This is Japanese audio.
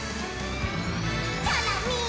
「チョロミー」